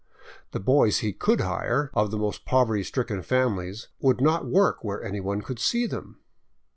The boys he could hire, of the most poverty stricken families, would not work where anyone could see them.